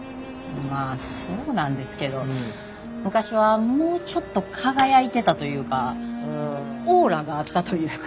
まあそうなんですけど昔はもうちょっと輝いてたというかオーラがあったというか。